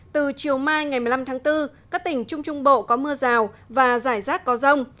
từ chiều mai ngày một mươi năm tháng bốn các tỉnh trung trung bộ có mưa rào và rải rác có rông